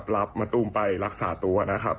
มะตูมไปรักษาตัวนะครับ